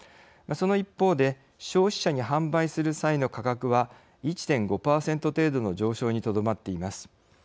その一方で消費者に販売する際の価格は１．５％程度の上昇にとどまっています。